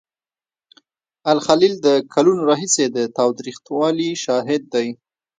الخلیل د کلونو راهیسې د تاوتریخوالي شاهد دی.